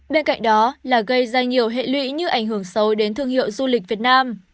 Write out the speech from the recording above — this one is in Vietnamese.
bên cạnh đó là gây ra nhiều hệ lụy như ảnh hưởng sâu đến thương hiệu du lịch việt nam